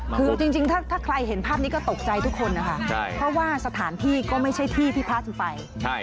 คือจริงถ้าใครเห็นภาพนี้ก็ตกใจทุกคนนะคะเพราะว่าสถานที่ก็ไม่ใช่ที่ที่พระจะไป